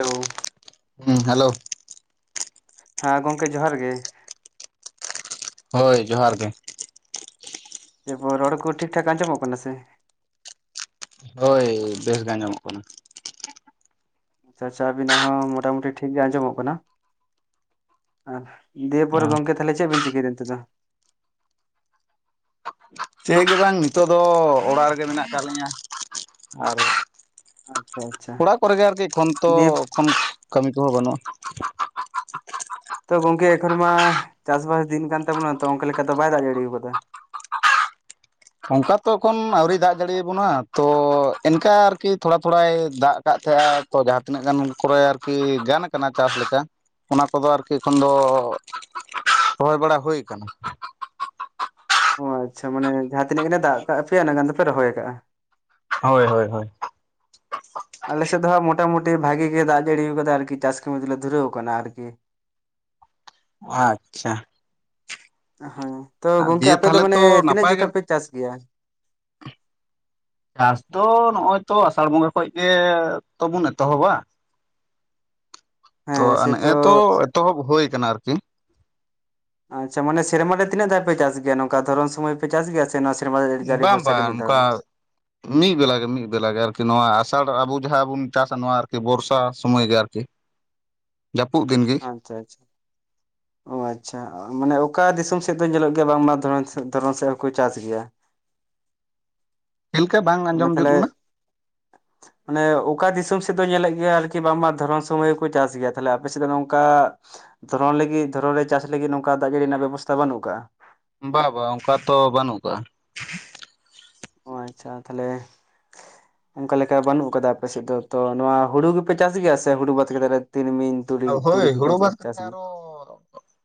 Hello ᱦᱮᱸ hello ᱦᱮᱸ ᱜᱚᱢᱠᱮ ᱡᱚᱦᱟᱨ ᱜᱮ ᱦᱳᱭ ᱡᱚᱦᱟᱨ ᱜᱮ ᱮᱨᱯᱚᱨ ᱨᱚᱲ ᱠᱚ ᱴᱷᱤᱠ ᱴᱷᱟᱠ ᱟᱸᱡᱚᱢᱚᱜ ᱠᱟᱱᱟ ᱥᱮ ᱦᱳᱭ ᱵᱮᱥ ᱜᱮ ᱟᱸᱡᱚᱢᱚᱜ ᱠᱟᱱᱟ᱾ ᱟᱪᱪᱷᱟ ᱟᱵᱤᱱᱟᱜ ᱦᱚᱸ ᱢᱚᱴᱟᱢᱩᱴᱤ ᱴᱷᱤᱠ ᱜᱮ ᱟᱸᱡᱚᱢᱚᱜ ᱠᱟᱱᱟ᱾ ᱟᱨ ᱫᱤᱭᱮ ᱯᱚᱨᱮ ᱜᱚᱢᱠᱮ ᱛᱟᱦᱞᱮ ᱪᱮᱫ ᱵᱤᱱ ᱪᱤᱠᱟᱹᱭᱫᱟ ᱱᱤᱛᱳᱜ ᱫᱚ ᱪᱮᱫ ᱜᱮ ᱵᱟᱝ ᱱᱤᱛᱚᱜ ᱫᱚ ᱚᱲᱟᱜ ᱨᱮᱜᱮ ᱢᱮᱱᱟᱜ ᱟᱠᱟᱫ ᱞᱤᱧᱟ ᱾ ᱟᱨ ᱟᱪᱪᱷᱟ ᱟᱪᱪᱷᱟ ᱚᱲᱟᱜ ᱠᱚᱨᱮ ᱜᱮ ᱟᱹᱨᱠᱤ ᱮᱠᱷᱚᱱ ᱛᱚ ᱫᱤᱭᱮ ᱮᱠᱷᱚᱱ ᱠᱟᱹᱢᱤ ᱠᱚᱦᱚᱸ ᱵᱟᱹᱱᱩᱜᱼᱟ᱾ ᱛᱚ ᱜᱚᱢᱠᱮ ᱮᱠᱷᱚᱱ ᱢᱟ ᱪᱟᱥ ᱵᱟᱥ ᱫᱤᱱ ᱠᱟᱱ ᱛᱟᱵᱚᱱᱟ ᱛᱚ ᱚᱱᱠᱟ ᱞᱮᱠᱟ ᱛᱚ ᱵᱟᱭ ᱫᱟᱜ ᱡᱟᱹᱲᱤᱟᱠᱟᱫᱟ ᱚᱱᱠᱟ ᱛᱚ ᱮᱠᱷᱚᱱ ᱟᱹᱣᱨᱤ ᱫᱟᱜ ᱡᱟᱹᱲᱤᱭᱟᱵᱚᱱᱟ ᱛᱚ ᱚᱱᱠᱟ ᱟᱹᱨᱠᱤ ᱛᱷᱚᱲᱟ ᱛᱷᱚᱲᱟᱭ ᱫᱟᱜ ᱫᱟᱜ ᱛᱟᱦᱮᱸᱜ-ᱟ ᱛᱚ ᱡᱟᱦᱟᱸ ᱛᱤᱱᱟᱹᱜ ᱜᱟᱱ ᱠᱚᱨᱮ ᱟᱹᱨᱠᱤ ᱜᱟᱱ ᱠᱟᱱᱟ ᱪᱟᱥ ᱞᱮᱠᱟ᱾ ᱚᱱᱟ ᱠᱚᱫᱚ ᱟᱹᱨᱠᱤ ᱮᱠᱷᱚᱱ ᱫᱚ ᱨᱚᱦᱚᱭ ᱵᱟᱲᱟ ᱦᱩᱭ ᱠᱟᱱᱟ᱾ ᱚ ᱟᱪᱪᱷᱟ ᱢᱟᱱᱮ ᱡᱟᱦᱟᱸ ᱛᱤᱱᱟᱹᱜ ᱜᱟᱱ ᱮ ᱫᱟᱜ ᱠᱟᱜ ᱯᱮᱭᱟ ᱤᱱᱟᱹᱜ ᱜᱟᱱ ᱫᱚᱯᱮ ᱨᱚᱦᱚᱭ ᱟᱠᱟᱫ-ᱟ ᱾ ᱦᱳᱭ ᱦᱳᱭ ᱦᱳᱭ᱾ ᱟᱞᱮᱥᱮᱫ ᱫᱚ ᱦᱟᱸᱜ ᱢᱚᱴᱟᱢᱩᱴᱤ ᱵᱷᱟᱜᱤ ᱜᱮ ᱫᱟᱜ ᱡᱟᱹᱲᱤ ᱟᱠᱟᱫᱟ ᱟᱹᱨᱠᱤ ᱪᱟᱥ ᱠᱟᱹᱢᱤ ᱫᱚᱞᱮ ᱫᱷᱩᱨᱟᱹᱣ ᱟᱠᱟᱱᱟ ᱟᱹᱨᱠᱤ ᱾ [unintelligible] ᱟᱪᱪᱷᱟ ᱦᱮᱸ ᱛᱚ ᱜᱚᱢᱠᱮ ᱫᱤᱭᱮ ᱟᱯᱮ ᱫᱚ ᱛᱟᱦᱚᱞᱮ ᱢᱟᱱᱮ ᱛᱚ ᱛᱤᱱᱟᱹᱜ ᱱᱟᱯᱟᱭ ᱜᱮ ᱡᱚᱠᱷᱟ ᱯᱮ ᱪᱟᱥ ᱜᱮᱭᱟ? ᱪᱟᱥ ᱫᱚ ᱱᱚᱜ-ᱚᱭ ᱛᱚ ᱟᱥᱟᱲ ᱵᱚᱸᱜᱟ ᱠᱷᱚᱱ ᱜᱮᱛᱚ ᱵᱚᱱ ᱮᱛᱚᱦᱚᱵᱟ᱾ ᱛᱚ ᱦᱮᱸ ᱥᱮᱛᱚ ᱱᱮᱜ-ᱮ ᱛᱚ ᱮᱛᱚᱦᱚᱵ ᱦᱩᱭ ᱠᱟᱱᱟ ᱟᱹᱨᱠᱤ ᱾ ᱟᱪᱪᱷᱟ ᱢᱟᱱᱮ ᱥᱮᱨᱢᱟ ᱨᱮ ᱛᱤᱱᱟᱹᱜ ᱫᱷᱟᱹᱣ ᱯᱮ ᱪᱟᱥ ᱜᱮᱭᱟ ᱱᱚᱝᱠᱟ ᱫᱷᱚᱨᱚᱢ ᱥᱚᱢᱚᱭ ᱯᱮ ᱪᱟᱥ ᱜᱮᱭᱟ ᱥᱮ ᱥᱮ ᱱᱚᱣᱟ ᱥᱮᱨᱢᱟ ᱫᱟᱜ ᱡᱟᱹᱲᱤ ᱵᱟᱝ ᱵᱚᱨᱥᱟ ᱜᱮ ᱵᱟᱝ ᱢᱤᱫ ᱫᱷᱟᱣ᱾ ᱱᱚᱝᱠᱟ ᱢᱤᱫ ᱵᱮᱞᱟ ᱜᱮ ᱢᱤᱫ ᱵᱮᱞᱟ ᱜᱮ ᱟᱹᱨᱠᱤ ᱱᱚᱣᱟ ᱟᱥᱟᱲ ᱟᱵᱚ ᱡᱟᱦᱟᱸ ᱵᱚᱱ ᱪᱟᱥᱟ ᱱᱚᱣᱟ ᱟᱹᱨᱠᱤ ᱵᱚᱨᱥᱟ ᱥᱚᱢᱚᱭ ᱜᱮ ᱟᱹᱨᱠᱤ ᱾ [unintelligible] ᱡᱟᱹᱯᱩᱫ ᱫᱤᱱ ᱜᱮ ᱟᱪᱪᱷᱟ ᱟᱪᱪᱷᱟ ᱟᱪᱪᱷᱟ ᱢᱟᱱᱮ ᱚᱠᱟ ᱫᱤᱥᱚᱢ ᱥᱮᱫ ᱫᱚ ᱧᱮᱞᱚᱜ ᱜᱮᱭᱟ ᱵᱟᱝᱢᱟ ᱫᱷᱚᱨᱚᱱ ᱥᱮᱫ ᱦᱚᱸᱠᱚ ᱪᱟᱥ ᱜᱮᱭᱟ᱾ ᱪᱮᱫ ᱞᱮᱠᱟ ᱵᱟᱝ ᱢᱟᱱᱮ ᱟᱸᱡᱚᱢ ᱡᱩᱛ ᱛᱟᱦᱚᱞᱮ ᱞᱮᱱᱟ ᱢᱟᱱᱮ ᱚᱠᱟ ᱫᱤᱥᱚᱢ ᱥᱮᱫ ᱫᱚ ᱧᱮᱞᱮᱫ ᱜᱮᱭᱟ ᱟᱹᱨᱠᱤ ᱵᱟᱝᱢᱟ ᱫᱷᱚᱨᱚᱱ ᱥᱚᱢᱚᱭ ᱦᱚᱸᱠᱚ ᱪᱟᱥ ᱜᱮᱭᱟ, ᱛᱟᱦᱞᱮ ᱟᱯᱮ ᱥᱮᱫ ᱫᱚ ᱱᱚᱝᱠᱟ ᱫᱷᱚᱨᱚᱱ ᱞᱟᱹᱜᱤᱫ ᱫᱷᱚᱨᱚᱱ ᱨᱮ ᱪᱟᱥ ᱞᱟᱹᱜᱤᱫ ᱱᱚᱝᱠᱟ ᱫᱟᱜ ᱡᱟᱹᱲᱤ ᱨᱮᱱᱟᱜ ᱵᱮᱵᱚᱥᱛᱷᱟ ᱵᱟᱹᱱᱩᱜ ᱟᱠᱟᱫ-ᱟ ᱾ ᱵᱟ ᱵᱟᱝ ᱚᱱᱠᱟ ᱛᱚ ᱵᱟᱹᱱᱩᱜ ᱟᱠᱟᱫᱟ᱾ ᱚ ᱟᱪᱪᱷᱟ ᱛᱟᱦᱞᱮ ᱚᱱᱠᱟ ᱞᱮᱠᱟ ᱵᱟᱹᱱᱩᱜ ᱟᱠᱟᱫᱟ ᱟᱯᱮᱥᱮᱫ ᱫᱚ, ᱛᱚ ᱱᱚᱣᱟ ᱦᱩᱲᱩ ᱜᱮᱯᱮ ᱪᱟᱥ ᱜᱮᱭᱟ ᱥᱮ ᱦᱩᱲᱩ ᱵᱟᱫ ᱠᱟᱛᱮᱫ ᱛᱤᱞᱢᱤᱧ ᱛᱩᱲᱤ ᱛᱩᱲᱤ ᱦᱳᱭ ᱜᱮᱯᱮ ᱦᱩᱲᱩ ᱵᱟᱫ ᱪᱟᱥ ᱠᱟᱛᱮ ᱜᱮᱭᱟ? ᱟᱨᱚ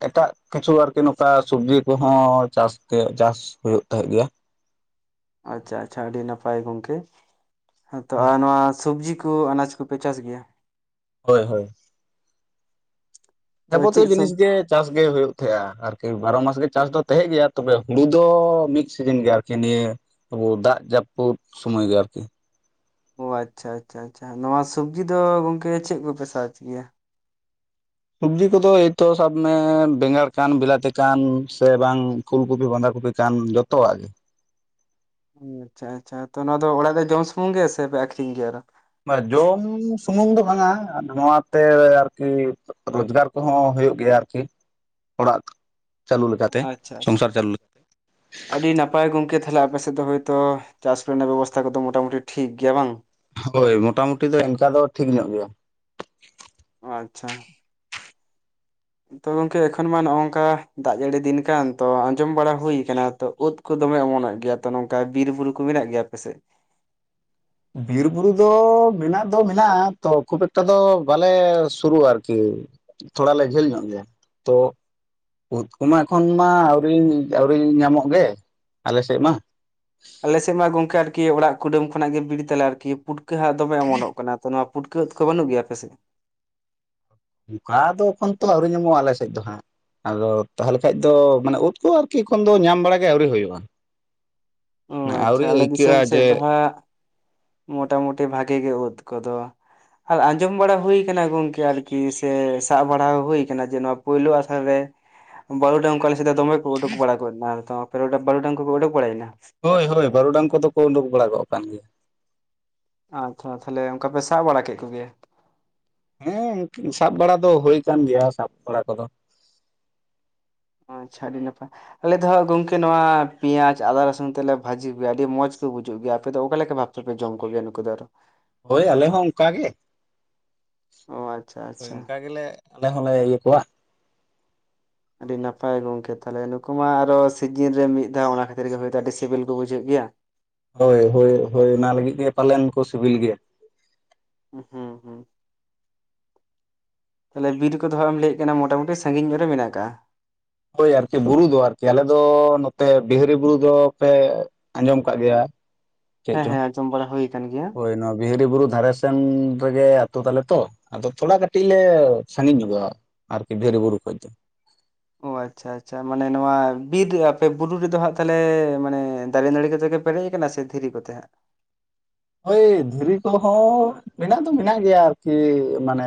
ᱮᱴᱟᱜ ᱠᱤᱪᱷᱩ ᱟᱨᱠᱤ ᱱᱚᱝᱠᱟ ᱥᱚᱵᱡᱤ ᱠᱚᱦᱚᱸ ᱪᱟᱥ ᱛᱮ ᱪᱟᱥ ᱦᱩᱭᱩᱜ ᱛᱟᱦᱮᱸᱫ ᱜᱮᱭᱟ᱾ ᱟᱪᱪᱷᱟ ᱟᱪᱪᱷᱟ ᱟᱹᱰᱤ ᱱᱟᱯᱟᱭ ᱜᱚᱢᱠᱮ ᱦᱮᱸᱛᱚ ᱟᱨ ᱱᱚᱣᱟ ᱥᱚᱵᱽᱡᱤ ᱠᱚ ᱠᱚ ᱟᱱᱟᱡᱽ ᱠᱚᱯᱮ ᱪᱟᱥ ᱜᱮᱭᱟ ᱦᱳᱭ ᱦᱳᱭ [unintelligible] ᱡᱟᱵᱚᱛᱤᱭᱳ‌ ᱪᱮᱫ ᱥᱚᱵ ᱡᱤᱱᱤᱥ ᱜᱮ ᱪᱟᱥ ᱜᱮ ᱦᱩᱭᱩᱜ ᱛᱟᱦᱮᱸᱜᱼᱟ ᱟᱨᱠᱤ ᱵᱟᱨᱚ ᱢᱟᱥ ᱜᱮ ᱪᱟᱥ ᱫᱚ ᱛᱟᱦᱮᱸ ᱜᱮᱭᱟ ᱛᱚᱵᱮ ᱦᱩᱲᱩ ᱫᱚ ᱢᱤᱫ ᱥᱤᱡᱤᱱ ᱜᱮᱭᱟ ᱟᱨᱠᱤ ᱱᱤᱭᱟᱹ ᱟᱵᱚ ᱫᱟᱜ ᱡᱟᱹᱯᱩᱫ ᱥᱩᱢᱚᱭ ᱜᱮ ᱟᱨᱠᱤ᱾ ᱚ ᱟᱪᱪᱷᱟ ᱟᱪᱪᱷᱟ ᱟᱪᱪᱷᱟ ᱱᱚᱣᱟ ᱥᱚᱵᱽᱡᱤ ᱫᱚ ᱜᱚᱝᱠᱮ ᱪᱮᱫ ᱠᱚᱯᱮ ᱥᱟᱨᱡᱽ ᱜᱮᱭᱟ᱾ ᱥᱚᱵᱽᱡᱤ ᱠᱚᱫᱚ ᱮᱭᱛᱚ ᱥᱟᱵ ᱢᱮ ᱵᱮᱸᱜᱟᱲ ᱠᱟᱱ ᱵᱤᱞᱟᱛᱤ ᱠᱟᱱ ᱥᱮ ᱵᱟᱝ ᱯᱷᱩᱞ ᱠᱩᱯᱤ ᱵᱟᱸᱫᱷᱟ ᱠᱩᱯᱤ ᱠᱟᱱ ᱡᱚᱛᱚᱣᱟᱜ ᱜᱮ ᱚ ᱟᱪᱪᱷᱟ ᱟᱪᱪᱷᱟ ᱛᱳ ᱱᱚᱣᱟ ᱫᱚ ᱚᱲᱟᱜ ᱨᱮ ᱡᱚᱢ ᱥᱩᱢᱩᱝ ᱜᱮᱥᱮ ᱯᱮ ᱟᱠᱷᱨᱤᱧ ᱜᱮᱭᱟ ᱟᱨᱦᱚᱸ᱾ ᱡᱚᱢ ᱥᱩᱢᱩᱝ ᱫᱚ ᱵᱟᱝᱟ ᱱᱚᱣᱟᱛᱮ ᱟᱨᱠᱤ ᱨᱚᱡᱽᱜᱟᱨ ᱠᱚᱦᱚᱸ ᱦᱩᱭᱩᱜ ᱜᱮᱭᱟ ᱟᱨᱠᱤ ᱚᱲᱟᱜ ᱪᱟᱹᱞᱩ ᱞᱮᱠᱟᱛᱮ ᱟᱪᱪᱷᱟ ᱟᱪᱪᱷᱟ ᱥᱚᱝᱥᱟᱨ ᱪᱟᱹᱞᱩ ᱞᱮᱠᱟ ᱟᱹᱰᱤ ᱱᱟᱯᱟᱭ ᱜᱚᱝᱠᱮ ᱛᱟᱦᱚᱞᱮ ᱟᱯᱮᱥᱮᱫ ᱫᱚ ᱦᱳᱭᱛᱳ ᱪᱟᱥ ᱨᱮᱱᱟᱜ ᱵᱮᱵᱚᱥᱛᱷᱟ ᱠᱚᱫᱚ ᱢᱚᱴᱟᱢᱩᱴᱤ ᱴᱷᱤᱠ ᱜᱮᱭᱟ ᱵᱟᱝ ᱦᱳᱭ ᱢᱚᱴᱟᱢᱩᱴᱤ ᱫᱚ ᱮᱱᱠᱟ ᱫᱚ ᱴᱷᱤᱠ ᱧᱚᱜ ᱜᱮᱭᱟ ᱟᱪᱪᱷᱟ ᱛᱳ ᱜᱚᱝᱠᱮ ᱮᱠᱷᱚᱱ ᱢᱟ ᱱᱚᱜ ᱚᱝᱠᱟ ᱫᱟᱜ ᱡᱟᱹᱲᱤ ᱫᱤᱱ ᱠᱟᱱ ᱛᱳ ᱟᱸᱡᱚᱢ ᱵᱟᱲᱟ ᱦᱩᱭᱩ ᱠᱟᱱᱟ ᱛᱳ ᱩᱫ ᱠᱚ ᱫᱚᱢᱮ ᱚᱢᱚᱱᱚᱜ ᱜᱮᱭᱟ ᱛᱚ ᱱᱚᱝᱠᱟ ᱵᱤᱨᱵᱩᱨᱩ ᱠᱚ ᱢᱮᱱᱟᱜ ᱜᱮᱭᱟ ᱟᱯᱮ ᱥᱮᱫ ᱵᱤᱨᱵᱩᱨᱩ ᱫᱚ ᱢᱮᱱᱟᱜ ᱫᱚ ᱢᱮᱱᱟᱜ-ᱟ ᱛᱳ ᱠᱷᱩᱵ ᱮᱠᱴᱟ ᱫᱚ ᱵᱟᱞᱮ ᱥᱩᱨᱩᱜ-ᱟ ᱟᱨᱠᱤ᱾ ᱛᱷᱚᱲᱟ ᱞᱮ ᱡᱷᱟᱹᱞ ᱧᱚᱜ ᱜᱮᱭᱟ ᱛᱳ ᱩᱫ ᱠᱚᱢᱟ ᱮᱠᱷᱚᱱ ᱢᱟ ᱟᱹᱣᱨᱤ ᱟᱹᱣᱨᱤ ᱧᱟᱢᱚᱜ ᱜᱮ ᱟᱞᱮ ᱥᱮᱫ ᱢᱟ ᱟᱞᱮ ᱥᱮᱫ ᱢᱟ ᱜᱚᱝᱠᱮ ᱟᱨᱠᱤ ᱚᱲᱟᱜ ᱠᱩᱰᱟᱹᱢ ᱠᱷᱚᱱᱟᱜ ᱜᱮ ᱵᱤᱨ ᱛᱟᱞᱮ ᱟᱨᱠᱤ ᱯᱩᱴᱠᱟᱹ ᱦᱟᱸᱜ ᱫᱚᱢᱮ ᱚᱢᱚᱱᱚᱜ ᱠᱟᱱᱟ ᱛᱳ ᱱᱚᱣᱟ ᱯᱩᱴᱠᱟᱹ ᱩᱫ ᱠᱚ ᱵᱟᱹᱱᱩᱜ ᱜᱮᱭᱟ ᱟᱯᱮ ᱥᱮᱫ ᱚᱝᱠᱟ ᱫᱚ ᱮᱠᱷᱚᱱ ᱛᱳ ᱟᱹᱣᱨᱤ ᱧᱟᱢᱚᱜ-ᱟ ᱟᱞᱮ ᱥᱮᱫ ᱫᱚ ᱦᱟᱸᱜ ᱟᱫᱚ ᱛᱟᱦᱚᱞᱮ ᱠᱷᱟᱱ ᱫᱚ ᱢᱟᱱᱮ ᱩᱫ ᱠᱚ ᱟᱨᱠᱤ ᱮᱠᱷᱚᱱ ᱫᱚ ᱧᱟᱢ ᱵᱟᱲᱟ ᱜᱮ ᱟᱹᱣᱨᱤ ᱦᱩᱭᱩᱜ-ᱟᱼᱼ ᱚ ᱟᱪᱪᱷᱟ ᱟᱞᱮ ᱫᱤᱥᱚᱢ ᱟᱹᱭᱠᱟᱹᱜᱼᱟ ᱥᱮᱫ ᱡᱮ ᱫᱚ ᱦᱟᱸᱜ ᱢᱳᱴᱟᱢᱩᱴᱤ ᱵᱷᱟᱜᱮ ᱜᱮ ᱳᱫ ᱠᱚᱫᱚ ᱟᱨ ᱟᱸᱡᱚᱢ ᱵᱟᱲᱟ ᱦᱩᱭ ᱟᱠᱟᱱᱟ ᱜᱚᱝᱠᱮ ᱟᱨᱠᱤ ᱥᱮ ᱥᱟᱵ ᱵᱟᱲᱟ ᱦᱩᱭ ᱟᱠᱟᱱᱟ ᱡᱮ ᱱᱚᱣᱟ ᱯᱩᱭᱞᱳ ᱟᱥᱲᱟ ᱨᱮ ᱵᱟᱹᱨᱩᱰᱟᱝ ᱠᱚ ᱟᱞᱮ ᱥᱮᱫ ᱫᱚ ᱫᱚᱢᱮ ᱠᱚ ᱩᱰᱩᱠ ᱵᱟᱲᱟ ᱜᱚᱫᱱᱟ ᱛᱚ ᱟᱯᱮ ᱚᱸᱰᱮ ᱵᱟᱹᱨᱩᱰᱟᱝ ᱠᱚᱠᱚ ᱩᱰᱩᱠ ᱵᱟᱲᱟᱭᱮᱱᱟ ᱦᱳᱭ ᱦᱳᱭ ᱵᱟᱹᱨᱩᱰᱟᱝ ᱠᱚᱫᱚ ᱠᱚ ᱩᱰᱩᱠ ᱵᱟᱲᱟᱜᱚᱫ ᱠᱟᱱ ᱜᱮᱭᱟ ᱟᱪᱪᱷᱟ ᱛᱟᱦᱞᱮ ᱚᱝᱠᱟᱯᱮ ᱥᱟᱵ ᱵᱟᱲᱟ ᱠᱮᱫ ᱠᱚᱜᱮᱭᱟ ᱦᱮᱸ ᱥᱟᱵ ᱵᱟᱲᱟ ᱫᱚ ᱦᱩᱭ ᱠᱟᱱ ᱜᱮᱭᱟ ᱥᱟᱵ ᱵᱟᱲᱟ ᱠᱚᱫᱚ ᱚ ᱟᱪᱪᱷᱟ ᱟᱹᱰᱤ ᱱᱟᱯᱟᱭ ᱟᱞᱮ ᱫᱚ ᱦᱟᱸᱜ ᱜᱚᱝᱠᱮ ᱱᱚᱣᱟ ᱯᱮᱸᱭᱟᱡ ᱟᱫᱟ ᱨᱟᱹᱥᱩᱱ ᱛᱮᱞᱮ ᱵᱷᱟᱹᱡᱤ ᱠᱚ ᱜᱮᱭᱟ ᱟᱹᱰᱤ ᱢᱚᱡᱽ ᱠᱚ ᱵᱩᱡᱩᱜ ᱜᱮᱭᱟ ᱟᱯᱮᱫᱚ ᱚᱠᱟ ᱞᱮᱠᱟ ᱵᱷᱟᱯ ᱛᱮᱯᱮ ᱡᱚᱝ ᱠᱚᱜᱮᱭᱟ ᱱᱩᱠᱩ ᱫᱚ ᱟᱨᱦᱚᱸ ᱦᱳᱭ ᱟᱞᱮ ᱦᱚᱸ ᱚᱝᱠᱟ ᱜᱮ᱾ ᱚ ᱟᱪᱪᱷᱟ ᱦᱳᱭ ᱟᱪᱪᱷᱟ ᱚᱝᱠᱟ ᱜᱮᱞᱮ ᱟᱞᱮ ᱦᱚᱸᱞᱮ ᱤᱭᱟᱹ ᱠᱚᱣᱟ [unintelligible] ᱟᱹᱰᱤ ᱱᱟᱯᱟᱭ ᱜᱚᱝᱠᱮ ᱛᱟᱦᱚᱞᱮ ᱱᱩᱠᱩ ᱢᱟ ᱟᱨᱚ ᱥᱤᱡᱤᱱ ᱨᱮ ᱢᱤᱫ ᱫᱷᱟᱣ ᱚᱱᱟ ᱠᱷᱟᱹᱛᱤᱨ ᱜᱮ ᱦᱚᱭᱛᱳ ᱟᱹᱰᱤ ᱥᱤᱵᱤᱞ ᱠᱚ ᱵᱩᱡᱷᱟᱹᱜ ᱜᱮᱭᱟ ᱦᱳᱭ ᱦᱳᱭ ᱦᱳᱭ ᱚᱱᱟ ᱞᱟᱹᱜᱤᱫ ᱜᱮ ᱯᱟᱞᱮᱱ ᱠᱚ ᱥᱤᱵᱤᱞ ᱜᱮᱭᱟ ᱦᱩᱸ ᱦᱩᱸ ᱛᱟᱦᱚᱞᱮ ᱵᱤᱨ ᱠᱚᱫᱚ ᱦᱟᱸᱜ ᱮᱢ ᱞᱟᱹᱭᱮᱫ ᱠᱟᱱᱟ ᱢᱚᱴᱟᱢᱩᱴᱤ ᱥᱟᱸᱜᱤᱧ ᱧᱚᱜ ᱨᱮ ᱢᱮᱱᱟᱜ ᱠᱟᱜ-ᱟ ᱦᱳᱭ ᱟᱨᱠᱤ ᱵᱩᱨᱩ ᱫᱚ ᱟᱨᱠᱤ ᱟᱞᱮ ᱫᱚ ᱱᱚᱛᱮ ᱵᱤᱦᱟᱹᱨᱤ ᱵᱩᱨᱩ ᱫᱚᱯᱮ ᱟᱸᱡᱚᱢ ᱟᱠᱟᱜ ᱜᱮᱭᱟ ᱪᱮᱫ ᱦᱮᱸ ᱪᱚᱝ ᱦᱮᱸ ᱟᱸᱡᱚᱢ ᱵᱟᱲᱟ ᱦᱩᱭ ᱟᱠᱟᱱ ᱜᱮᱭᱟ ᱦᱳᱭ ᱱᱚᱣᱟ ᱵᱤᱦᱟᱹᱨᱤ ᱵᱩᱨᱩ ᱫᱷᱟᱨᱮ ᱥᱮᱱ ᱨᱮᱜᱮ ᱟᱛᱩ ᱛᱟᱞᱮ ᱛᱳ ᱟᱫᱚ ᱛᱷᱚᱲᱟ ᱠᱟᱹᱴᱤᱡ ᱞᱮ ᱥᱟᱸᱜᱤᱧ ᱧᱚᱜᱚᱜ-ᱟ ᱟᱨᱠᱤ ᱵᱤᱦᱟᱹᱨᱤ ᱵᱩᱨᱩ ᱠᱷᱚᱡ ᱫᱚ ᱚ ᱟᱪᱪᱷᱟ ᱟᱪᱪᱷᱟ ᱢᱟᱱᱮ ᱱᱚᱣᱟ ᱵᱤᱨ ᱟᱯᱮ ᱵᱩᱨᱩ ᱨᱮᱫᱚ ᱦᱟᱸᱜ ᱛᱟᱦᱚᱞᱮ ᱢᱟᱱᱮ ᱫᱟᱨᱮ ᱱᱟᱹᱲᱤ ᱠᱚᱛᱮ ᱜᱮᱼᱼ ᱯᱮᱨᱮᱡ ᱟᱠᱟᱱᱟ ᱥᱮ ᱫᱷᱤᱨᱤ ᱠᱚᱛᱮ ᱦᱟᱸᱜ ᱦᱳᱭ ᱫᱷᱤᱨᱤ ᱠᱚᱦᱚᱸ ᱢᱮᱱᱟᱜ ᱫᱚ ᱢᱮᱱᱟᱜ ᱜᱮᱭᱟ ᱟᱨᱠᱤ ᱢᱟᱱᱮᱼᱼ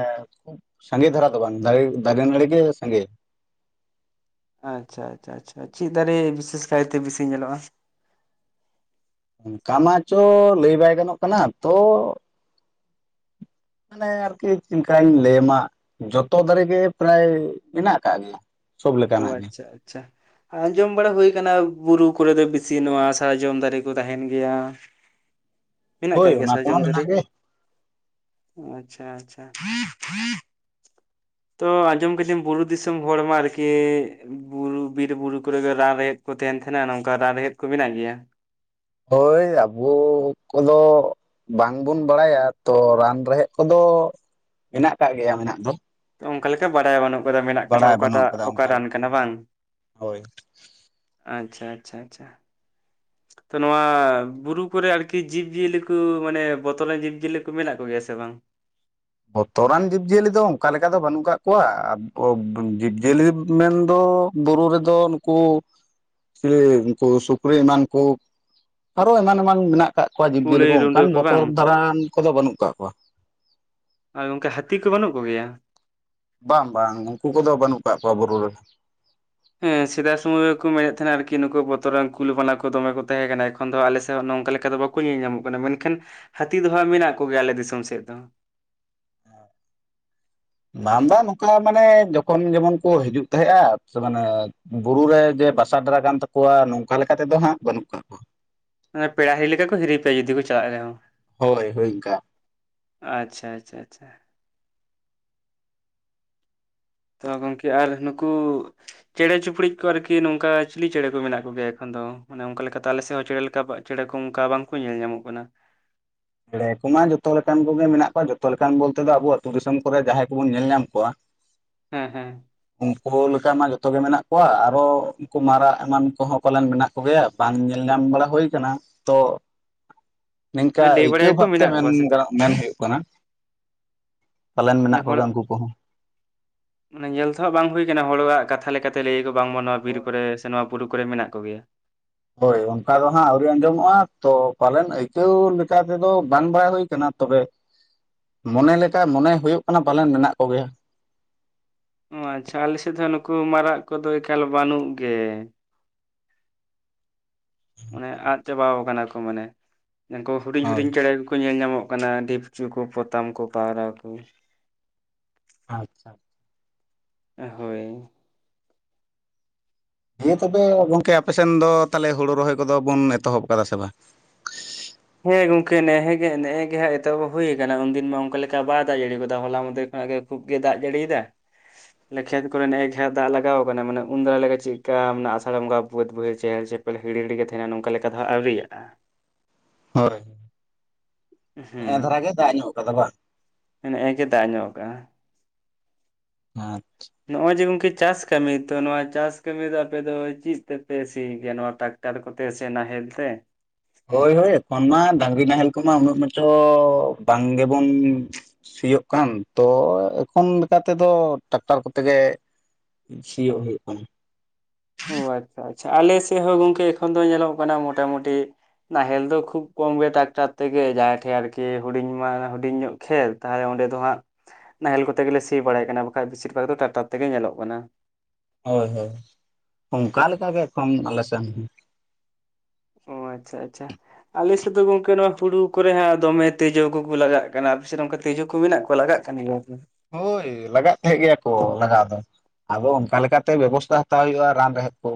ᱥᱟᱸᱜᱮ ᱫᱷᱟᱨᱟ ᱫᱚ ᱵᱟᱝ ᱫᱟᱨᱮ ᱫᱟᱨᱮ ᱱᱟᱲᱤ ᱜᱮ ᱥᱟᱸᱜᱮ ᱟᱪᱪᱷᱟ ᱟᱪᱪᱷᱟ ᱟᱪᱪᱷᱟ ᱪᱮᱫ ᱫᱟᱨᱮ ᱵᱤᱥᱮᱥ ᱠᱟᱭ ᱛᱮ ᱵᱮᱥᱤ ᱧᱮᱞᱚᱜ-ᱟ? ᱚᱝᱠᱟ ᱢᱟ ᱪᱚ ᱞᱟᱹᱭ ᱵᱟᱭ ᱜᱟᱱᱚᱜ ᱠᱟᱱᱟ ᱛᱚᱼᱼ ᱢᱟᱱᱮ ᱟᱨᱠᱤ ᱪᱮᱫᱠᱟᱹᱧ ᱞᱟᱹᱭ ᱟᱢᱟ ᱡᱷᱚᱛᱚ ᱫᱟᱨᱮ ᱜᱮ ᱯᱨᱟᱭ ᱢᱮᱱᱟᱜ ᱟᱠᱟᱫ ᱜᱮᱭᱟ ᱥᱚᱵ ᱚ ᱞᱮᱠᱟᱱᱟᱜ ᱜᱮ ᱟᱪᱪᱷᱟ ᱟᱪᱪᱷᱟ ᱟᱸᱡᱚᱢ ᱵᱟᱲᱟ ᱦᱩᱭ ᱟᱠᱟᱱᱟ ᱵᱩᱨᱩ ᱠᱚᱨᱮ ᱫᱚ ᱵᱤᱥᱤ ᱱᱚᱣᱟ ᱥᱟᱨᱡᱚᱢ ᱫᱟᱨᱮ ᱠᱚ ᱛᱟᱦᱮᱱ ᱜᱮᱭᱟ ᱢᱮᱱᱟᱜ ᱦᱳᱭ ᱠᱟᱜ ᱜᱮᱭᱟ ᱚᱱᱟ ᱠᱚᱢᱟ ᱥᱟᱨᱡᱚᱢ ᱫᱟᱨᱮ ᱢᱮᱱᱟᱜ ᱜᱮ ᱟᱪᱪᱷᱟ ᱟᱪᱪᱷᱟ ᱛᱚ ᱟᱸᱡᱚᱢ ᱠᱟᱫᱤᱧ ᱵᱩᱨᱩ ᱫᱤᱥᱚᱢ ᱦᱚᱲ ᱢᱟ ᱟᱨᱠᱤᱼᱼ ᱠᱮ ᱵᱩᱨᱩ ᱵᱤᱨ ᱵᱩᱨᱩ ᱠᱚᱨᱮ ᱨᱟᱱ ᱨᱮᱦᱮᱫ ᱠᱚ ᱛᱟᱦᱮᱱ ᱛᱟᱦᱮᱸᱱᱟ ᱱᱚᱝᱠᱟ ᱨᱟᱱ ᱨᱮᱦᱮᱫ ᱠᱚ ᱢᱮᱱᱟᱜ ᱜᱮᱭᱟ ᱦᱳᱭ ᱟᱵᱚ ᱠᱚᱫᱚᱼᱼ ᱵᱟᱝ ᱵᱚᱱ ᱵᱟᱲᱟᱭᱟ ᱛᱚ ᱨᱟᱱ ᱨᱮᱦᱮᱫ ᱠᱚᱫᱚ ᱢᱮᱱᱟᱜ ᱟᱠᱟᱫ ᱜᱮᱭᱟ ᱢᱮᱱᱟᱜ ᱫᱚ ᱚᱱᱠᱟ ᱞᱮᱠᱟ ᱵᱟᱰᱟᱭ ᱵᱟᱹᱱᱩᱜ ᱠᱟᱫᱟ ᱢᱮᱱᱟᱜ ᱠᱟᱛᱷᱟ ᱵᱟᱲᱟᱭ ᱵᱟᱹᱱᱩᱜ ᱚᱠᱟᱴᱟᱜ ᱠᱟᱫᱟ ᱚᱠᱟ ᱚᱱᱠᱟ ᱨᱟᱱ ᱞᱮᱠᱟ ᱠᱟᱱᱟ ᱦᱳᱭ ᱵᱟᱝ ᱦᱳᱭ ᱟᱪᱪᱷᱟ ᱟᱪᱪᱷᱟ ᱟᱪᱪᱷᱟ ᱛᱚ ᱱᱚᱣᱟ ᱵᱩᱨᱩ ᱠᱚᱨᱮ ᱟᱨᱠᱤ ᱡᱤᱵᱽ ᱡᱤᱭᱟᱹᱞᱤ ᱠᱚ ᱢᱟᱱᱮ ᱵᱚᱛᱚᱨᱟᱱ ᱡᱤᱵᱽ ᱡᱤᱭᱟᱹᱞᱤ ᱠᱚ ᱢᱮᱱᱟᱜ ᱠᱚ ᱜᱮᱭᱟ ᱥᱮ ᱵᱟᱝ? ᱵᱚᱛᱚᱨᱟᱱ ᱡᱤᱵᱽ ᱡᱤᱭᱟᱹᱞᱤ ᱫᱚ ᱚᱱᱠᱟ ᱞᱮᱠᱟ ᱫᱚ ᱵᱟᱹᱱᱩᱜ ᱠᱟᱜ ᱠᱚᱣᱟ [unintelligible] ᱡᱤᱵᱽ ᱡᱤᱭᱟᱹᱞᱤ ᱢᱮᱱ ᱫᱚ ᱵᱩᱨᱩ ᱨᱮ ᱫᱚ ᱱᱩᱠᱩᱼᱼ [unintelligible] ᱩᱱᱠᱩ ᱥᱩᱠᱨᱤ ᱮᱢᱟᱱ ᱠᱚ ᱟᱨᱚ ᱮᱢᱟᱱ ᱮᱢᱟᱱ ᱢᱮᱱᱟᱜᱼᱼ ᱟᱠᱟᱫ ᱠᱚᱣᱟ ᱡᱤᱵᱽᱼᱡᱤᱭᱟᱹᱞᱤ ᱠᱩᱞᱟᱹᱭ ᱠᱚ ᱨᱩᱰᱟᱹ ᱚᱱᱠᱟᱱ ᱵᱚᱛᱚᱨ ᱵᱟᱝ ᱫᱷᱟᱨᱟᱱ ᱠᱚᱫᱚ ᱵᱟᱹᱱᱩᱜ ᱟᱠᱟᱫ ᱠᱚᱣᱟ ᱟᱨ ᱜᱚᱝᱠᱮ ᱦᱟᱹᱛᱤ ᱠᱚ ᱵᱟᱹᱱᱩᱜ ᱠᱚ ᱜᱮᱭᱟ? ᱵᱟᱝ ᱵᱟᱝ ᱩᱱᱠᱩ ᱠᱚᱫᱚ ᱵᱟᱹᱱᱩᱜ ᱟᱠᱟᱫ ᱠᱚᱣᱟ ᱵᱩᱨᱩ ᱨᱮ ᱦᱮᱸ ᱥᱮᱫᱟᱭ ᱥᱚᱢᱚᱭ ᱨᱮᱠᱚ ᱢᱮᱱᱮᱫ ᱛᱟᱦᱮᱱᱟ ᱟᱨᱠᱤ ᱱᱩᱠᱩ ᱵᱚᱛᱚᱨᱟᱱ ᱠᱩᱞ ᱵᱟᱱᱟ ᱠᱚ ᱫᱚᱢᱮ ᱠᱚ ᱛᱟᱦᱮᱸ ᱠᱟᱱᱟ ᱮᱠᱷᱚᱱ ᱫᱚ ᱟᱞᱮ ᱥᱮᱫ ᱦᱚᱸ ᱱᱚᱝᱠᱟ ᱞᱮᱠᱟ ᱫᱚ ᱵᱟᱠᱚᱼᱼ ᱧᱮᱞ ᱧᱟᱢᱚᱜ ᱠᱟᱱᱟ ᱢᱮᱱ ᱠᱷᱟᱱ ᱦᱟᱹᱛᱤ ᱫᱚᱦᱟᱜ ᱢᱮᱱᱟᱜ ᱠᱚ ᱜᱮᱭᱟ ᱟᱞᱮ ᱫᱤᱥᱚᱢ ᱥᱮᱫ ᱫᱚ [inaudible] ᱵᱟᱝ ᱵᱟᱝ ᱱᱚᱝᱠᱟ ᱢᱟᱱᱮ ᱡᱚᱠᱷᱚᱱ ᱡᱮᱢᱚᱱ ᱠᱚ ᱦᱤᱡᱩᱜ ᱛᱟᱦᱮᱸᱫᱼᱟ ᱢᱟᱱᱮᱼᱼ ᱵᱩᱨᱩ ᱨᱮ ᱡᱮ ᱵᱟᱥᱟ ᱰᱮᱨᱟ ᱠᱟᱱ ᱛᱟᱠᱚᱣᱟ ᱱᱚᱝᱠᱟ ᱞᱮᱠᱟ ᱛᱮᱫᱚ ᱦᱟᱸᱜ ᱵᱟᱹᱱᱩᱜ ᱟᱠᱟᱜ ᱠᱚᱣᱟ ᱚᱱᱟ ᱯᱮᱲᱟ ᱦᱤᱨᱤ ᱞᱮᱠᱟ ᱠᱚ ᱦᱤᱨᱤ ᱯᱮᱭᱟ ᱡᱩᱫᱤ ᱠᱚ ᱪᱟᱞᱟᱜ ᱨᱮ ᱦᱚᱸ ᱦᱳᱭ ᱦᱳᱭ ᱤᱱᱠᱟᱼᱼ ᱟᱪᱪᱷᱟ ᱟᱪᱪᱷᱟ ᱟᱪᱪᱷᱟ ᱛᱚ ᱜᱚᱢᱠᱮ ᱟᱨ ᱱᱩᱠᱩᱼᱼ ᱪᱮᱸᱬᱮ ᱪᱩᱯᱲᱩ ᱠᱚ ᱟᱨᱠᱤ ᱱᱚᱝᱠᱟ ᱪᱤᱞᱤ ᱪᱮᱸᱬᱮ ᱠᱚ ᱢᱮᱱᱟᱜ ᱠᱚ ᱜᱮᱭᱟ ᱮᱠᱷᱚᱱ ᱫᱚ ᱢᱟᱱᱮ ᱚᱱᱠᱟ ᱞᱮᱠᱟ ᱛᱮ ᱟᱞᱮ ᱥᱮᱫ ᱦᱚᱸ ᱪᱮᱸᱬᱮ ᱞᱮᱠᱟ ᱪᱮᱸᱬᱮ ᱠᱚ ᱚᱱᱠᱟ ᱵᱟᱝ ᱠᱚ ᱧᱮᱞ ᱧᱟᱢᱚᱜ ᱠᱟᱱᱟ ᱪᱮᱲᱮ ᱠᱚᱢᱟ ᱡᱚᱛᱚ ᱞᱮᱠᱟᱱ ᱠᱚᱜᱮ ᱢᱮᱱᱟᱜ ᱠᱚᱣᱟ ᱡᱚᱛᱚ ᱞᱮᱠᱟᱱ ᱵᱚᱞᱛᱮ ᱫᱚ ᱟᱵᱚ ᱟᱹᱛᱩ ᱫᱤᱥᱚᱢ ᱠᱚᱨᱮ ᱡᱟᱦᱟᱸᱭ ᱠᱚ ᱵᱚᱱ ᱧᱮᱞ ᱧᱟᱢ ᱠᱚᱣᱟ ᱦᱮᱸ ᱦᱮᱸ ᱩᱱᱠᱩ ᱞᱮᱠᱟ ᱢᱟ ᱡᱚᱛᱚ ᱜᱮ ᱢᱮᱱᱟᱜ ᱠᱚᱣᱟ ᱟᱨᱚ ᱩᱱᱠᱩ ᱢᱟᱨᱟᱜ ᱮᱢᱟᱱ ᱠᱚᱦᱚᱸ ᱯᱟᱞᱮᱱ ᱢᱮᱱᱟᱜᱼᱼ ᱠᱚ ᱜᱮᱭᱟ ᱵᱟᱝ ᱧᱮᱞ ᱧᱟᱢ ᱵᱟᱲᱟ ᱦᱩᱭ ᱟᱠᱟᱱᱟ ᱛᱚ [inaudible] ᱱᱤᱝᱠᱟ ᱞᱟᱹᱭ ᱟᱹᱭᱠᱟᱹᱣ ᱵᱟᱲᱟᱭᱟᱠᱚ ᱵᱷᱟᱵ ᱛᱮ ᱢᱮᱱᱟᱜ ᱢᱮᱱ ᱠᱚᱣᱟ ᱥᱮ ᱪᱮᱫ ᱜᱟᱱᱚᱜ ᱢᱮᱱ ᱦᱩᱭᱩᱜ ᱠᱟᱱᱟ ᱯᱟᱞᱮᱱ ᱢᱟᱱᱮ ᱢᱮᱱᱟᱜ ᱠᱚ ᱜᱮᱭᱟ ᱦᱚᱲᱟᱜ ᱩᱱᱠᱩ ᱠᱚ ᱦᱚᱸᱼᱼ ᱢᱟᱱᱮ ᱧᱮᱞ ᱛᱮᱦᱟᱜ ᱵᱟᱝ ᱦᱩᱭ ᱠᱟᱱᱟ ᱦᱚᱲᱟᱜ ᱠᱟᱛᱷᱟ ᱞᱮᱠᱟ ᱛᱮ ᱞᱟᱹᱭ ᱟᱠᱚ ᱵᱟᱝᱢᱟ ᱱᱚᱣᱟ ᱵᱤᱨ ᱦᱚᱲ ᱠᱚᱨᱮ ᱥᱮ ᱱᱚᱣᱟᱼᱼ ᱯᱩᱨᱩ ᱠᱚᱨᱮ ᱢᱮᱱᱟᱜ ᱠᱚ ᱜᱮᱭᱟ ᱦᱳᱭ ᱚᱱᱠᱟ ᱫᱚ ᱦᱟᱸᱜ ᱟᱹᱣᱨᱤ ᱟᱸᱡᱚᱢᱚᱜᱼᱟ ᱛᱚ ᱯᱟᱞᱮᱱ ᱟᱹᱭᱠᱟᱹᱣ ᱞᱮᱠᱟ ᱛᱮᱫᱚ ᱵᱟᱝ ᱵᱟᱲᱟᱭ ᱦᱩᱭ ᱠᱟᱱᱟ᱾ ᱛᱚᱵᱮ ᱢᱚᱱᱮ ᱞᱮᱠᱟ ᱢᱚᱱᱮ ᱦᱳᱭᱳᱜ ᱠᱟᱱᱟ ᱯᱟᱞᱮᱱ ᱢᱮᱱᱟᱜ ᱠᱚ ᱜᱮᱭᱟ᱾ ᱚᱸ ᱟᱸᱪᱷᱟ ᱟᱞᱮ ᱥᱮᱡ ᱫᱚ ᱦᱟ ᱱᱩᱠᱩ ᱢᱟᱨᱟᱜ ᱠᱚᱫᱚ ᱮᱠᱟᱞ ᱵᱟᱹᱱᱩᱜ ᱜᱮ᱾ ᱢᱟᱱᱮ ᱟᱫ ᱪᱟᱵᱟᱣ ᱠᱟᱱᱟ ᱠᱚ ᱢᱟᱱᱮ ᱱᱩᱠᱩ ᱦᱩᱰᱤᱧ ᱦᱳᱭ ᱦᱩᱰᱤᱧ ᱪᱮᱬᱮ ᱜᱮᱠᱚ ᱧᱮᱞ ᱧᱟᱢᱚᱜ᱾ ᱠᱟᱱᱟ ᱰᱷᱤᱯᱪᱩ ᱠᱚ ᱯᱚᱛᱟᱢ ᱠᱚ ᱯᱟᱣᱨᱟ ᱠᱚ᱾ ᱟᱪᱪᱷᱟ᱾ ᱮ ᱦᱳᱭ᱾ ᱦᱮᱸ ᱛᱚᱵᱮ ᱜᱚᱝᱠᱮ ᱟᱯᱮ ᱥᱮᱱ ᱫᱚ ᱛᱟᱦᱚᱞᱮ ᱦᱳᱲᱳ ᱨᱚᱦᱚᱭ ᱠᱚᱫᱚ ᱵᱚᱱ ᱮᱛᱚᱦᱚᱵ ᱠᱟᱫᱟ ᱥᱮ ᱵᱟᱝ? ᱦᱮᱸ ᱜᱚᱝᱠᱮ ᱱᱮᱦᱮ ᱜᱮ ᱱᱮᱜᱼᱮ ᱜᱮ ᱦᱟ ᱮᱛᱚᱦᱚᱵᱚ ᱦᱩᱭ ᱠᱟᱱᱟ ᱩᱱᱫᱤᱱ ᱢᱟ ᱚᱱᱠᱟ ᱞᱮᱠᱟ ᱵᱟᱭ ᱫᱟᱜ ᱡᱟᱹᱲᱤᱣ ᱠᱟᱫᱟ ᱦᱚᱞᱟ ᱢᱟᱸᱫᱮᱨ ᱠᱷᱚᱱᱟᱜ ᱜᱮ ᱠᱷᱩᱵ ᱜᱮ ᱫᱟᱜ ᱡᱟᱹᱲᱤᱭ ᱮᱫᱟ᱾ ᱱᱮ ᱠᱷᱮᱛ ᱠᱚᱨᱮ ᱱᱮᱼᱮ ᱦᱟ ᱫᱟᱜ ᱞᱟᱜᱟᱣ ᱠᱟᱱᱟ ᱢᱟᱱᱮ ᱩᱱ ᱫᱟᱣ ᱞᱮᱠᱟ ᱪᱮᱜᱠᱟ ᱢᱟᱱᱮ ᱟᱥᱟᱲ ᱵᱚᱝᱜᱟ ᱵᱟᱹᱫ ᱵᱟᱭᱦᱟᱹᱲ ᱪᱮᱦᱮᱞ ᱪᱮ ᱵᱚᱞᱮ ᱦᱤᱲᱤᱦᱤᱲᱤ ᱜᱮ ᱛᱟᱦᱮᱱᱟ ᱱᱚᱝᱠᱟ ᱞᱮᱠᱟ ᱫᱚ ᱦᱟᱸᱜ ᱟᱹᱣᱨᱤᱭᱟᱜᱼᱟ᱾ ᱦᱳᱭ, ᱱᱮᱜᱼᱮ ᱫᱷᱟᱨᱟ ᱜᱮ ᱫᱟᱜ ᱧᱚᱜ ᱠᱟᱫᱟ ᱵᱟᱝ? ᱱᱮᱼᱮ ᱜᱮ ᱫᱟᱜ ᱧᱚᱜ ᱠᱟᱜᱼᱟ᱾ ᱟᱸᱪ᱾ ᱱᱚᱜᱼᱚᱭ ᱡᱮ ᱜᱚᱝᱠᱮ ᱪᱟᱥ ᱠᱟᱹᱢᱤ ᱛᱚ ᱱᱚᱣᱟ ᱪᱟᱥ ᱠᱟᱹᱢᱤ ᱫᱚ ᱟᱯᱮ ᱫᱚ ᱪᱤᱫ ᱛᱮᱯᱮ ᱥᱤᱭ ᱜᱮᱭᱟ ᱱᱚᱣᱟ ᱴᱟᱠ ᱴᱟᱨ ᱠᱚᱛᱮ ᱥᱮ ᱱᱟᱦᱮᱞ ᱛᱮ? ᱦᱳᱭ ᱦᱳᱭ ᱮᱠᱷᱚᱱ ᱢᱟ ᱰᱟᱝᱨᱤ ᱱᱟᱦᱮᱞ ᱠᱚᱢᱟ ᱩᱱᱟᱹᱜ ᱢᱟᱪᱚ ᱵᱟᱝ ᱜᱮᱵᱚᱱ ᱥᱤᱭᱳᱜ ᱠᱟᱱ, ᱛᱚ ᱮᱠᱷᱚᱱ ᱞᱮᱠᱟ ᱛᱮᱫᱚ ᱴᱟᱠᱴᱟᱨ ᱠᱚᱛᱮ ᱜᱮ᱾ ᱥᱤᱭᱳᱜ ᱦᱳᱭᱳᱜ ᱠᱟᱱᱟ᱾ ᱚ ᱟᱪᱪᱷᱟ ᱟᱪᱪᱷᱟ, ᱟᱞᱮ ᱥᱮ ᱦᱚᱸ ᱜᱚᱝᱠᱮ ᱮᱠᱷᱚᱱ ᱫᱚ ᱧᱮᱞᱚᱜ ᱠᱟᱱᱟ ᱢᱚᱴᱟᱢᱩᱴᱤ ᱱᱟᱦᱮᱞ ᱫᱚ ᱠᱷᱩᱵ ᱠᱚᱢ ᱜᱮ ᱴᱟᱠᱴᱟᱨ ᱛᱮᱜᱮ ᱡᱟᱦᱟᱸᱭ ᱴᱷᱮ ᱟᱨᱠᱤ ᱦᱩᱰᱤᱧ ᱢᱟ ᱦᱩᱰᱤᱧ ᱧᱚᱜ ᱠᱷᱮᱨ ᱛᱟᱦᱚᱼᱮ ᱚᱸᱰᱮ ᱫᱚ ᱦᱟᱸᱜ ᱱᱟᱦᱮᱞ ᱠᱚᱛᱮ ᱜᱮᱞᱮ ᱥᱤ ᱵᱟᱲᱟᱭ ᱠᱟᱱᱟ ᱵᱟᱠᱷᱟᱡ ᱵᱮᱥᱤᱨ ᱵᱷᱟᱜᱽ ᱫᱚ ᱴᱟᱠᱴᱟᱨ ᱛᱮᱜᱮ ᱧᱮᱞᱚᱜ ᱠᱟᱱᱟ᱾ ᱦᱳᱭ ᱦᱳᱭ, ᱚᱱᱠᱟ ᱞᱮᱠᱟ ᱜᱮ ᱮᱠᱷᱚᱱ ᱟᱞᱮ ᱥᱮᱱ ᱦᱚ᱾ ᱚ ᱟᱪᱷᱟ ᱟᱪᱷᱟ᱾ ᱟᱞᱮ ᱥᱮ ᱫᱚ ᱜᱚᱝᱠᱮ ᱱᱚᱣᱟ ᱦᱩᱲᱩ ᱠᱚᱨᱮ ᱦᱟ ᱫᱚᱢᱮ ᱛᱮᱡᱳ ᱠᱚᱠᱚ ᱞᱟᱜᱟᱜ ᱠᱟᱱᱟ ᱟᱯᱮ ᱥᱮᱫᱚ ᱚᱝᱠᱟ ᱛᱮᱡᱳ ᱠᱚ ᱢᱮᱱᱟᱜ ᱠᱚᱣᱟ ᱞᱟᱜᱟᱜ ᱠᱟᱱ ᱜᱮᱭᱟ ᱠᱚ᱾ ᱦᱳᱭ ᱞᱟᱜᱟᱜ ᱛᱟᱦᱮᱸᱜ ᱜᱮᱭᱟ ᱠᱚ ᱞᱟᱜᱟᱣ ᱫᱚ᱾ ᱟᱫᱚ ᱚᱱᱠᱟ ᱞᱮᱠᱟ ᱛᱮ ᱵᱮᱵᱚᱥᱛᱟ ᱦᱟᱛᱟᱣ ᱦᱳᱭᱳᱜᱼᱟ ᱨᱟᱱ ᱨᱮᱦᱮᱫ ᱠᱚ᱾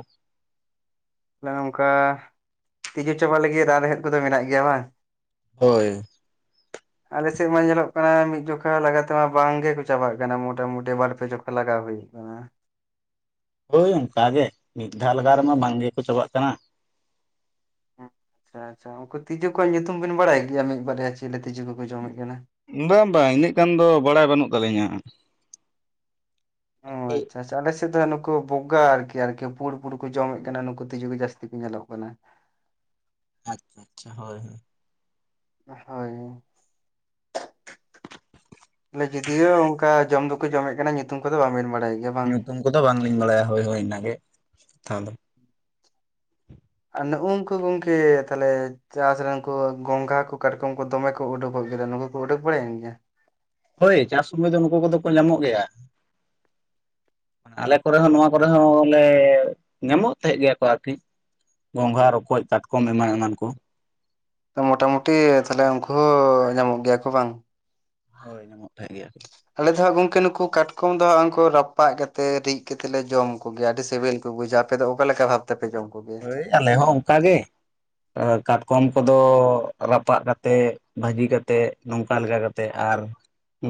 ᱚᱱᱮ ᱚᱝᱠᱟ ᱛᱤᱡᱩ ᱪᱟᱵᱟ ᱞᱟᱹᱜᱤ ᱨᱟᱱ ᱨᱮᱦᱮᱫ ᱠᱚᱫᱚ ᱢᱮᱱᱟᱜ ᱜᱮᱭᱟ ᱵᱟᱝ᱾ ᱦᱳᱭ᱾ [inaudible] ᱟᱞᱮᱥᱮᱜ ᱢᱟ ᱧᱮᱞᱚᱜ ᱠᱟᱱᱟ ᱢᱤᱜ ᱡᱚᱠᱷᱟ ᱞᱟᱜᱟ ᱛᱮᱢᱟ ᱵᱟᱝ ᱜᱮᱠᱚ ᱪᱟᱵᱟᱜ ᱠᱟᱱᱟ ᱢᱚᱴᱟ ᱢᱩᱴᱤ ᱵᱟᱨ ᱯᱮ ᱡᱚᱠᱷᱟ ᱞᱟᱜᱟᱣ ᱦᱳᱭ᱾ ᱩᱜ ᱠᱟᱱᱟ᱾ ᱦᱳᱭ ᱚᱝᱠᱟ ᱜᱮ ᱢᱤᱫ ᱫᱷᱟᱣ ᱞᱟᱜᱟᱣ ᱨᱮᱢᱟ ᱵᱟᱝ ᱜᱮᱠᱚ ᱪᱟᱵᱟᱜ ᱠᱟᱱᱟ᱾ ᱚᱸ ᱪᱷᱟ ᱪᱷᱟ ᱩᱝᱠᱩ ᱛᱤᱡᱳ ᱠᱚᱣᱟᱜ ᱧᱩᱛᱩᱢ ᱵᱤᱱ ᱵᱟᱲᱟᱭ ᱜᱮᱭᱟ ᱢᱤᱫ ᱵᱟᱨᱭᱟ ᱪᱤᱞᱮ ᱛᱤᱡᱳ ᱠᱚᱠᱚ ᱡᱚᱢᱮᱫ ᱠᱟᱱᱟ᱾ ᱵᱟᱝ ᱵᱟᱝ ᱤᱱᱟᱹᱜ ᱜᱟᱱ ᱫᱚ ᱵᱟᱲᱟᱭ ᱵᱟᱹᱱᱩᱜ ᱛᱟᱞᱤᱧᱟ᱾ ᱟᱪᱷᱟ ᱟᱞᱮ ᱥᱮ ᱫᱚ ᱦᱟ ᱱᱩᱠᱩ ᱵᱚᱜᱟ ᱟᱨᱠᱤ ᱟᱨᱠᱤ ᱯᱩᱲ ᱯᱩᱲ ᱠᱩ ᱡᱚᱢᱮᱜ ᱠᱟᱱᱟ ᱱᱩᱠᱩ ᱛᱤᱡᱩ ᱜᱮ ᱡᱟᱹᱥᱛᱤ ᱠᱚ ᱧᱮᱞᱚᱜ ᱠᱟᱱᱟ᱾ ᱟᱪᱪᱷᱟ ᱟᱪᱪᱷᱟ ᱦᱳᱭ ᱦᱳᱭ᱾ ᱦᱳᱭ᱾ ᱞᱮ ᱡᱩᱫᱤᱭᱳ ᱚᱝᱠᱟ ᱡᱚᱢ ᱫᱚᱠᱚ ᱡᱚᱢᱮᱜ ᱠᱟᱱᱟ ᱧᱩᱛᱩᱢ ᱠᱚᱫᱚ ᱵᱟᱝ ᱵᱮᱱ ᱵᱟᱲᱟᱭ ᱜᱮᱭᱟ᱾ ᱵᱟᱝ? ᱧᱩᱛᱩᱢ ᱠᱚᱫᱚ ᱵᱟᱝᱞᱤᱧ ᱵᱟᱲᱟᱭᱟ ᱦᱳᱭ ᱦᱳᱭ ᱤᱱᱟ ᱜᱮ ᱠᱟᱛᱷᱟ ᱫᱚ᱾ ᱟ ᱱᱩᱜᱩᱝᱠᱩ ᱜᱚᱝᱠᱮ ᱛᱟᱦᱚᱞᱮ ᱪᱟᱥ ᱨᱮ ᱩᱝᱠᱩ ᱜᱚᱝᱜᱷᱟ ᱠᱩ ᱠᱟᱴᱠᱚᱢ ᱠᱚ ᱫᱚᱢᱮ ᱠᱚ ᱩᱰᱩᱜᱚᱜ ᱜᱮᱫᱚ ᱱᱩᱠᱩ ᱠᱩ ᱩᱰᱩᱠ ᱵᱟᱲᱟᱭᱮᱱ ᱜᱮᱭᱟ? ᱦᱳᱭ ᱪᱟᱥ ᱥᱩᱢᱚᱭ ᱫᱚ ᱱᱩᱠᱩ ᱠᱚᱫᱚ ᱠᱚ ᱧᱟᱢᱚᱜ ᱜᱮᱭᱟ᱾ ᱟᱞᱮ ᱠᱚᱨᱮ ᱦᱚᱸ ᱱᱚᱣᱟ ᱠᱚᱨᱮ ᱦᱚᱸ ᱞᱮ ᱧᱟᱢᱚᱜ ᱛᱟᱦᱮᱸᱫ ᱜᱮᱭᱟ ᱠᱚ ᱟᱨᱠᱤ ᱜᱚᱸᱜᱷᱟ, ᱨᱚᱠᱚᱡ, ᱠᱟᱴᱠᱚᱢ ᱮᱢᱟᱱ ᱮᱢᱟᱱ ᱠᱚ ᱛᱚ ᱢᱚᱴᱟ ᱢᱩᱩᱴᱤ ᱛᱟᱦᱞᱮ ᱩᱱᱠᱩ ᱦᱚᱸ ᱧᱟᱢᱚᱜ ᱜᱮᱭᱟ ᱠᱚ ᱵᱟᱝ? ᱦᱳᱭ ᱧᱟᱢᱚᱜ ᱛᱟᱦᱮᱸ ᱜᱮᱭᱟ ᱠᱚ᱾ ᱟᱞᱮ ᱫᱚ ᱦᱟᱸᱜ ᱜᱚᱝᱠᱮ ᱱᱩᱠᱩ ᱠᱟᱴᱠᱚᱢ ᱫᱚ ᱦᱟᱸᱜ ᱩᱱᱠᱩ ᱨᱟᱯᱟᱜ ᱠᱟᱛᱮ ᱨᱤᱫ ᱠᱟᱛᱮ ᱞᱮ ᱡᱚᱢ ᱠᱚᱜᱮᱭᱟ ᱟᱹᱰᱤ ᱥᱤᱵᱤᱞ ᱠᱚ ᱵᱩᱡᱟ ᱯᱮ ᱫᱚ ᱚᱠᱟ ᱞᱮᱠᱟ ᱵᱷᱟᱵ ᱛᱮᱯᱮ ᱡᱚᱢ ᱠᱚᱜᱮᱭᱟ? ᱦᱳᱭ ᱟᱞᱮ ᱦᱚᱸ ᱚᱝᱠᱟ ᱜᱮ ᱠᱟᱴᱠᱚᱢ ᱠᱚᱫᱚ ᱨᱟᱯᱟᱜ ᱠᱟᱛᱮᱜ ᱵᱷᱟᱹᱡᱤ ᱠᱟᱛᱮᱫ ᱱᱚᱝᱠᱟ ᱞᱮᱠᱟ ᱠᱟᱛᱮᱫ ᱟᱨ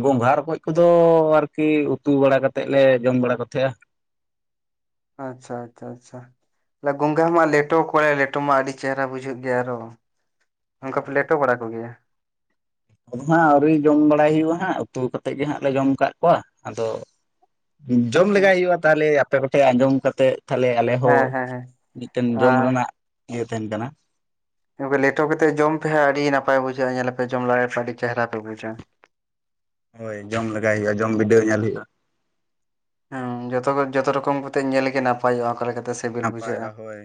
ᱜᱚᱸᱜᱷᱟ, ᱨᱚᱠᱚᱡ ᱠᱚᱫᱚ ᱟᱨᱠᱤ ᱩᱛᱩ ᱵᱟᱲᱟ ᱠᱟᱛᱮᱫ ᱞᱮ ᱡᱚᱢ ᱵᱟᱲᱟ ᱠᱚᱛᱷᱮᱜᱼᱟ ᱟᱪᱪᱷᱟ ᱟᱪᱪᱷᱟ ᱟᱪᱪᱷᱟ ᱜᱚᱝᱜᱷᱟ ᱢᱟ ᱞᱮᱴᱚ ᱠᱚᱣᱟ ᱞᱮ ᱞᱮᱴᱚ ᱢᱟ ᱟᱹᱰᱤ ᱪᱮᱦᱨᱟ ᱵᱩᱡᱷᱟᱹᱜ ᱜᱮᱭᱟ ᱟᱨᱚ ᱚᱱᱠᱟ ᱯᱮ ᱦᱳᱭ ᱞᱮᱴᱚ ᱵᱟᱲᱟ ᱠᱚᱜᱮᱭᱟ? ᱟᱫᱚ ᱦᱟᱸᱜ ᱟᱹᱣᱨᱤ ᱡᱚᱢ ᱵᱟᱲᱟᱭ ᱦᱩᱭᱩᱜᱼᱟ ᱦᱟᱸᱜ ᱩᱛᱩ ᱠᱟᱛᱮᱫ ᱜᱮ ᱦᱟᱸᱜ ᱞᱮ ᱡᱚᱢ ᱠᱟᱫ ᱠᱚᱣᱟ ᱟᱫᱚ ᱡᱚᱢ ᱞᱮᱜᱟᱭ ᱦᱩᱭᱩᱜᱼᱟ ᱛᱟᱦᱚᱞᱮ ᱟᱯᱮ ᱠᱚᱷᱮᱱ ᱟᱸᱡᱚᱢ ᱠᱟᱛᱮᱜ ᱛᱟᱦᱚᱞᱮ ᱟᱞᱮᱦᱚ ᱦᱮᱸ ᱦᱮᱸ ᱦᱮᱸ ᱢᱤᱫᱴᱮᱱ ᱡᱚᱢ ᱨᱮᱱᱟᱜ ᱤᱭᱟᱹ ᱛᱟᱦᱮᱱ ᱠᱟᱱᱟ ᱞᱮᱴᱚ ᱠᱟᱛᱮᱫ ᱡᱚᱢ ᱯᱮ ᱦᱟᱸᱜ ᱟᱰᱤ ᱱᱟᱯᱟᱭ ᱵᱩᱡᱷᱟᱹᱜᱼᱟ ᱧᱮᱞᱟᱯᱮ ᱡᱚᱢ ᱞᱟᱜᱟᱭ ᱯᱮ ᱟᱹᱰᱤ ᱪᱮᱦᱨᱟ ᱯᱮ ᱵᱩᱡᱟ ᱦᱳᱭ ᱡᱚᱢ ᱞᱮᱟᱜᱟᱭ ᱦᱳᱭᱳᱜᱼᱟ᱾ ᱡᱚᱢ ᱵᱤᱰᱟᱹᱣ ᱧᱮᱞ ᱦᱳᱭᱳᱜᱼᱟ᱾ ᱦᱮᱝ ᱡᱚᱛᱚ ᱡᱚᱛᱚ ᱨᱚᱠᱚᱢ ᱠᱟᱛᱮ ᱧᱮᱞᱜᱮ ᱱᱟᱯᱟᱭᱚᱜᱼᱟ ᱚᱠᱟ ᱞᱮᱠᱟᱛ ᱛᱚ ᱥᱤᱵᱤᱞ ᱵᱩᱡᱷᱟᱹᱜᱼᱟ ᱱᱟᱯᱟᱭᱚᱜᱼᱟ ᱦᱳᱭ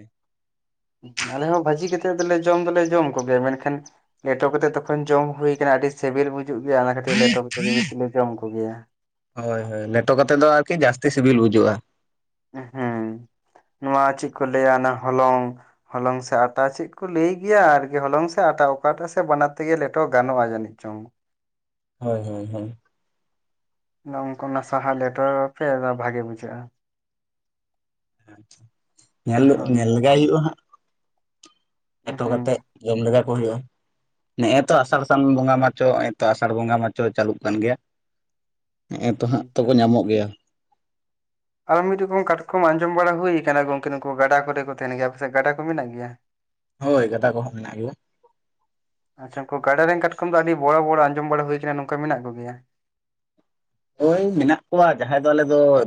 ᱟᱞᱮ ᱦᱚᱸ ᱵᱷᱟᱹᱡᱤ ᱠᱟᱛᱮᱫ ᱫᱚᱞᱮ ᱡᱚᱢ ᱫᱚᱞᱮ ᱡᱚᱢ ᱠᱚᱜᱮᱭᱟ ᱢᱮᱱᱠᱷᱟᱱ ᱞᱮᱴᱚ ᱠᱟᱛᱮᱜ ᱛᱚᱠᱷᱚᱱ ᱡᱚᱢ ᱦᱩᱭ ᱠᱟᱱᱟ ᱟᱹᱰᱤ ᱥᱤᱵᱤᱞ ᱵᱩᱡᱩᱜ ᱜᱮᱭᱟ ᱚᱱᱟ ᱠᱟᱹᱛᱤᱨ ᱞᱮᱴᱚ ᱠᱟᱛᱮᱜ ᱜᱮ ᱵᱤᱥᱤ ᱞᱮ ᱡᱚᱢ ᱠᱚᱜᱮᱭᱟ ᱾ ᱦᱳᱭ ᱦᱳᱭ ᱞᱮᱴᱚ ᱠᱟᱛᱮᱫ ᱫᱚ ᱟᱨᱜᱤ ᱡᱟᱹᱥᱛᱤ ᱥᱤᱵᱤᱞ ᱵᱩᱡᱩᱜᱼᱟ᱾ ᱦᱮᱸ ᱱᱚᱣᱟ ᱪᱮᱫ ᱠᱚ ᱞᱟᱹᱭᱟ ᱚᱱᱟ ᱦᱚᱞᱚᱝ ᱦᱚᱞᱚᱝ ᱥᱮ ᱟᱛᱟ ᱪᱮᱫ ᱠᱚ ᱞᱟᱹᱭ ᱜᱮᱭᱟ ᱟᱨᱠᱤ ᱦᱚᱞᱚᱝ ᱥᱮ ᱟᱛᱟ ᱚᱠᱟᱴᱟᱜ ᱛᱮᱥᱮ ᱵᱟᱱᱟᱨ ᱛᱮᱜᱮ ᱞᱮᱴᱚ ᱜᱟᱱᱚᱜᱼᱟ ᱡᱟᱹᱱᱤᱡ ᱪᱚᱝ᱾ ᱦᱳᱭ ᱦᱳᱭ ᱦᱳᱭ ᱟᱫᱚ ᱩᱱᱠᱩ ᱚᱱᱟ ᱥᱟᱦᱟᱣ ᱞᱮᱴᱚᱯᱮ ᱟᱫᱚ ᱵᱷᱟᱜᱮ ᱵᱩᱡᱷᱟᱹᱜᱼᱟ᱾ ᱧᱮᱞᱚ ᱦᱳᱭ ᱧᱮᱞ ᱞᱮᱜᱟᱭ ᱦᱩᱭᱩᱜᱼᱟ ᱦᱟᱸᱜ᱾ ᱮᱛᱚ ᱦᱩᱸ ᱠᱟᱛᱮᱫ ᱡᱚᱢ ᱞᱮᱜᱟ ᱠᱚ ᱦᱩᱭᱩᱜᱼᱟ᱾ ᱱᱮᱜᱮ ᱛᱚ ᱟᱥᱟᱲ ᱥᱟᱱ ᱵᱚᱸᱜᱟ ᱢᱟᱪᱚ ᱱᱚᱜᱼᱚᱭ ᱛᱚ ᱟᱥᱟᱲ ᱵᱚᱸᱜᱟ ᱢᱟᱪᱚ ᱪᱟᱹᱞᱩᱜ ᱠᱟᱱ ᱜᱮᱭᱟ᱾ ᱦᱮᱜᱮ ᱛᱚ ᱦᱟᱸᱜ ᱛᱚᱠᱚ ᱧᱟᱢᱚᱜ ᱜᱮᱭᱟ᱾ ᱟᱨᱚ ᱢᱤᱫ ᱨᱚᱠᱚᱢ ᱠᱟᱴᱠᱚᱢ ᱟᱸᱡᱚᱢ ᱵᱟᱲᱟ ᱦᱩᱭ ᱠᱟᱱᱟ ᱜᱚᱝᱠᱮ ᱱᱩᱠᱩ ᱜᱟᱰᱟ ᱠᱚᱨᱮ ᱠᱚ ᱛᱟᱦᱮᱱ ᱜᱮᱭᱟ ᱟᱯᱮ ᱥᱮᱫ ᱜᱟᱰᱟ ᱠᱚ ᱢᱮᱱᱟᱜ ᱜᱮᱭᱟ? [inaudible] ᱦᱳᱭ ᱜᱟᱛᱟ ᱠᱚᱦᱚᱸ ᱢᱮᱱᱟᱜ ᱜᱮᱭᱟ᱾ ᱟᱪᱪᱷᱟ ᱩᱱᱠᱩ ᱜᱟᱰᱟ ᱨᱮᱱ ᱠᱟᱴᱠᱚᱢ ᱫᱚ ᱟᱹᱰᱤ ᱵᱚᱲᱚ ᱵᱚᱲᱚ ᱟᱸᱡᱚᱢ ᱵᱟᱲᱟ ᱦᱩᱭ ᱠᱟᱱᱟ ᱱᱚᱝᱠᱟ ᱢᱮᱱᱟᱜ ᱠᱚᱜᱮᱭᱟ? ᱦᱳᱭ ᱢᱮᱱᱟᱜ ᱠᱚᱣᱟ ᱡᱟᱦᱟᱸᱭ ᱫᱚ ᱟᱞᱮ ᱫᱚ